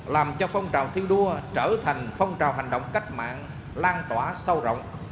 làm cho phong trào thi đua trở thành phong trào hành động cách mạng lan tỏa sâu rộng